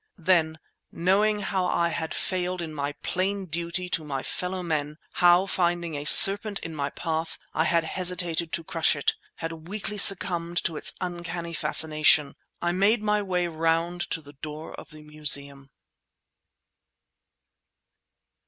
Then, knowing how I had failed in my plain duty to my fellow men—how, finding a serpent in my path, I had hesitated to crush it, had weakly succumbed to its uncanny fascination—I made my way round to the door of the Museum.